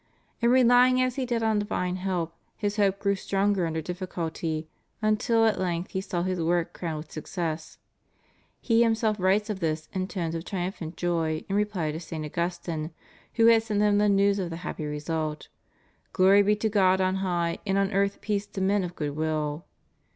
And relying as he did on divine help his hope grew stronger under difficulty, until at length he saw his work crowned with success. He himself writes of this in tones of trium phant joy in reply to St. Augustine, who had sent him the news of the happy result: "Glory be to God on high and on earth peace to men of good will.